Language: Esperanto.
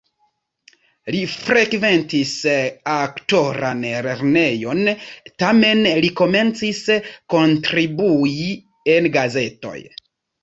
Li frekventis aktoran lernejon, tamen li komencis kontribui en gazetoj.